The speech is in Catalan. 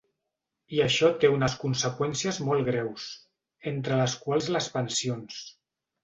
I això té unes conseqüències molt greus, entre les quals les pensions.